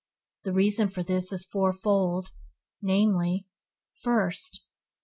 The reason for this is fourfold, namely: First.